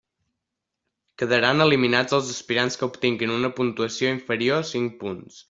Quedaran eliminats els aspirants que obtinguin una puntuació inferior a cinc punts.